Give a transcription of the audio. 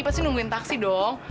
pasti nungguin taksi dong